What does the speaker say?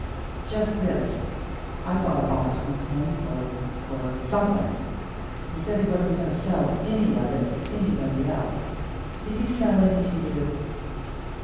"Just this. I bought a box from him for for something. He said he wasn't going to sell any of it to anybody else. Did he sell any to you?"